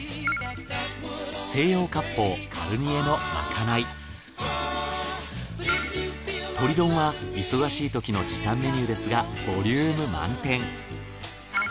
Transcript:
西洋割烹鶏丼は忙しいときの時短メニューですがボリューム満点。